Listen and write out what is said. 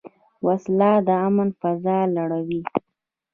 وسله د امن فضا نړوي